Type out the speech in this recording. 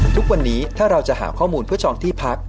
ทุกวันนี้ถ้าเราจะหาข้อมูลเพื่อจองที่พัก